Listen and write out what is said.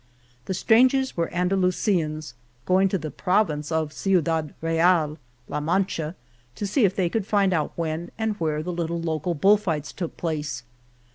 The strangers were Andalusians going to the province of Ciudad Real (La Mancha) to see if they could find out when and where the little local bull fights took place.